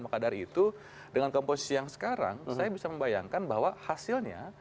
maka dari itu dengan komposisi yang sekarang saya bisa membayangkan bahwa hasilnya